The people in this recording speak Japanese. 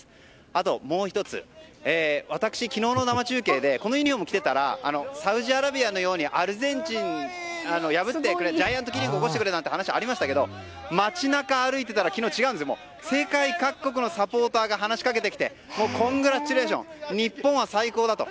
あと、もう１つ私昨日の生中継でこのユニホームを着ていたらサウジアラビアのようにアルゼンチン破ってジャイアントキリング起こしてくれなんて話がありましたけど街中を歩いてたら昨日、世界各国のサポーターが話しかけてきてコングラッチュレーション日本は最高だと。